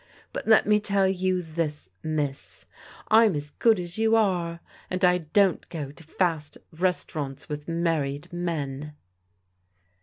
But let me tell you this. Miss, I'm as good as you are, and I don't go to fast restaurants with married men."